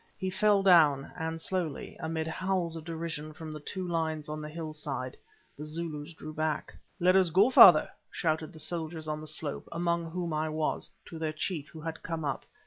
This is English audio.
He fell down, and slowly, amid howls of derision from the two lines on the hill side, the Zulus drew back. "Let us go, father!" shouted the soldiers on the slope, among whom I was, to their chief, who had come up.